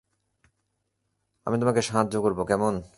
আমি তোমাকে সাহায্য করবো, কেমন?